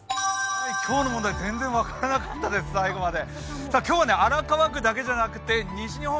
今日の問題、全然分からなかったです、最後まで。